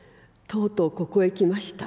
とうとうここへ来ました。